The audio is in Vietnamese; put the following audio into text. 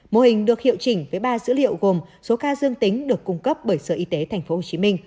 mô hình được hiệu chỉnh với ba dữ liệu gồm số ca dương tính được cung cấp bởi sở y tế tp hcm